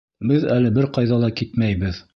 Беҙ әле бер ҡайҙа ла китмәйбеҙ.